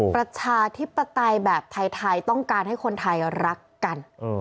ประชาธิปไตยแบบไทยต้องการให้คนไทยรักกัน